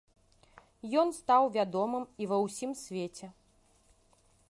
Ён стаў вядомым і ва ўсім свеце.